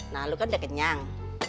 nah lu kan udah kenyang